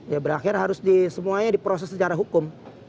ya berakhir harus semuanya diproses secara hukum